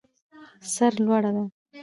سر لوړه ده.